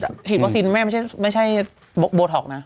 ฉีดวัคซีนแม่ไม่ใช่โบท็อกนะ